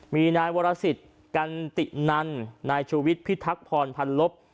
มีนายวรสิตกันตินันในชีวิตพิทักษ์พรพันธ์ลบ